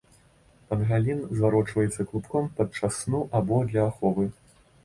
Пангалін зварочваецца клубком падчас сну або для аховы.